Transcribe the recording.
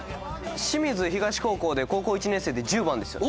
清水東高校で高校１年生で１０番ですよね。